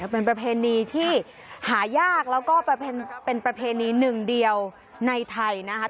เป็นประเพณีที่หายากแล้วก็เป็นประเพณีหนึ่งเดียวในไทยนะคะ